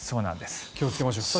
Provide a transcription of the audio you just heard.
気をつけましょう。